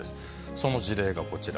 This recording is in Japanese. その事例がこちら。